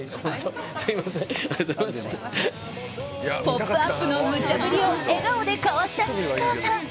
「ポップＵＰ！」のむちゃ振りを笑顔でかわした西川さん。